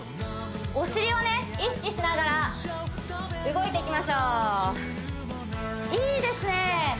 お尻を意識しながら動いていきましょういいですね